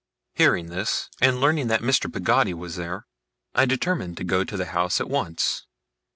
Hearing this, and learning that Mr. Peggotty was there, I determined to go to the house at once.